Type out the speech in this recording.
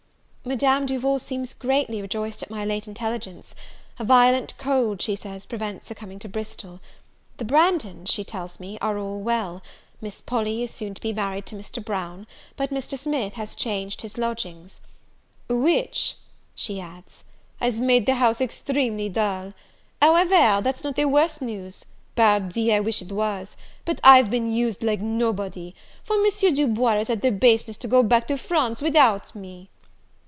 Madame Duval seems greatly rejoiced at my late intelligence: a violent cold, she says, prevents her coming to Bristol. The Branghtons, she tells me, are all well; Miss Polly is soon to be married to Mr. Brown; but Mr. Smith has changed his lodgings, "which," she adds, "has made the house extremely dull. However, that's not the worst news; pardi, I wish it was! but I've been used like nobody, for Monsieur Du Bois has had the baseness to go back to France without me."